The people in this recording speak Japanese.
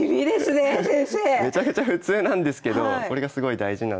めちゃくちゃ普通なんですけどこれがすごい大事なんです。